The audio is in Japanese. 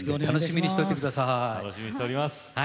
楽しみにしております。